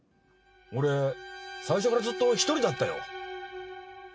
「俺最初からずっと１人だったよ」ってね！